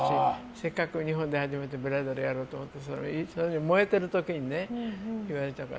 せっかく日本で初めてブライダルやろうと思って燃えてる時に言われたから。